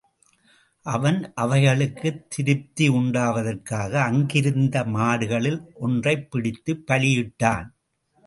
அவன் அவைகளுக்குத் திருப்தியுண்டாவதற்காக அங்கிருந்த மாடுகளில் ஒன்றைப் பிடித்துப் பலியிட்டான்.